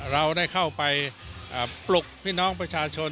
เราได้เข้าไปปลุกพี่น้องประชาชน